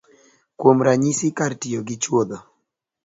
Kuom ranyisi, kar tiyo gi chuodho